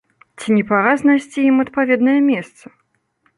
Ці не пара знайсці ім адпаведнае месца?